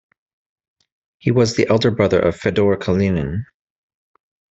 He was the elder brother of Fedor Kalinin.